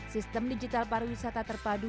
sistem digital pariwisata terpadu